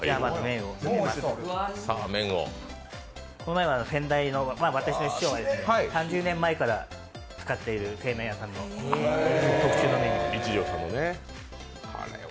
この麺は先代の、私の師匠が３０年前から使っている製麺屋さんで特注の麺です。